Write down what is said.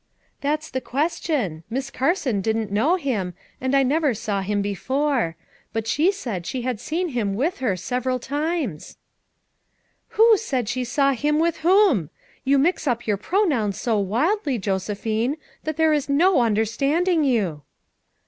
"That's the question. Miss Carson didn't know him, and I never saw him before; but she said she had seen him with her several times." "Who said she saw him with whom? You 232 FOUR MOTHERS AT CHAUTAUQUA mix up your pronouns so wildly, Josephine, there is no understanding you."